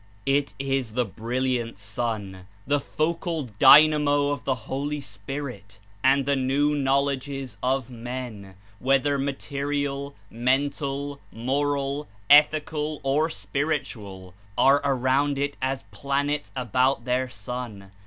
It is the brilliant sun, the focal dynamo of the Holy Spirit, and the new knowledges of men, whether ma terial, mental, moral, ethical or spiritual, are around it as planets about their sun.